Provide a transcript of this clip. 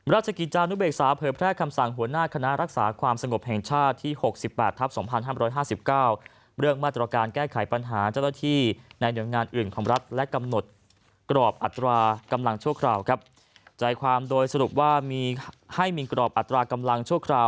รัฐชกิจานุเบกษาเผิดแพร่คำสั่งหัวหน้าคณะรักษาความสงบแห่งชาติที่๖๘ทับ๒๕๕๙เรื่องมาตรการแก้ไขปัญหาเจ้าหน้าที่ในเหนืองานอื่นของรัฐและกำหนดกรอบอัตรากำลังชั่วคราว